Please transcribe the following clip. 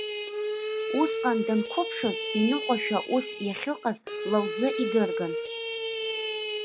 Усҟан, данқәыԥшыз иныҟәашәа ус иахьыҟаз ла лзы идырган.